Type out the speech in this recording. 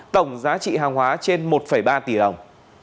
tổng giá trị hàng hóa trên một ba tỷ đồng